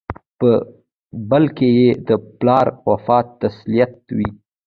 په بل کې یې د پلار وفات تسلیت وي.